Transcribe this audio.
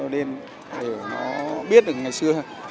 để nó biết được ngày xưa